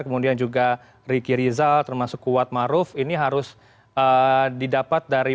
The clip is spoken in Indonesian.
kemudian juga riki rizal termasuk kuat maruf ini harus didapat dari